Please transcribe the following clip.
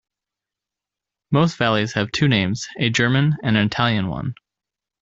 Most valleys have two names, a German and an Italian one.